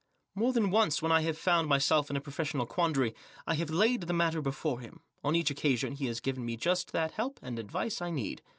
More than once when I have found my self in a professional quandary I have laid the matter before him ; on each occasion he has given me just that help and advice I needed.